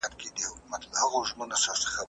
خو منزل ته مو پام نه و